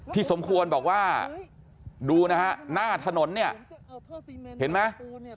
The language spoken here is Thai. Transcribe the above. สมควรบอกว่าดูนะฮะหน้าถนนเนี่ยเห็นไหม